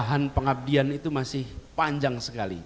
lahan pengabdian itu masih panjang sekali